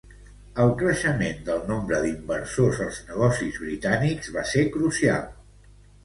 El creixement del nombre d'inversors als negocis britànics va ser crucial.